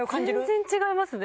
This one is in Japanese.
全然違いますね